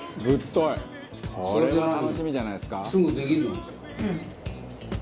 これは楽しみじゃないですか」